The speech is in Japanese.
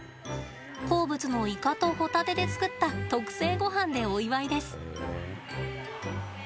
好物のイカとホタテで作った特製ごはんで、お祝いです。